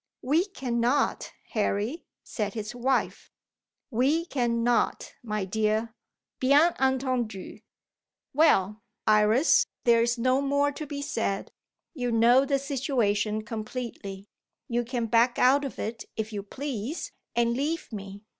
"We cannot, Harry," said his wife. "We cannot, my dear. Bien entendu! Well, Iris, there is no more to be said. You know the situation completely. You can back out of it if you please, and leave me.